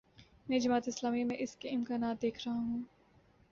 میں جماعت اسلامی میں اس کے امکانات دیکھ رہا ہوں۔